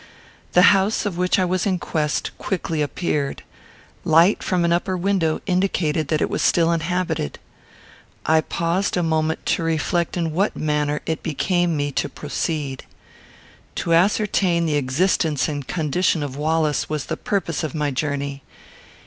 The house of which I was in quest quickly appeared. Light from an upper window indicated that it was still inhabited. I paused a moment to reflect in what manner it became me to proceed. To ascertain the existence and condition of Wallace was the purpose of my journey.